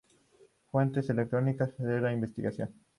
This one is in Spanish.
Fuentes electrónicas de la investigación.